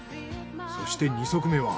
そして二足目は。